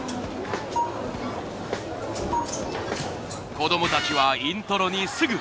子どもたちはイントロにすぐ反応し。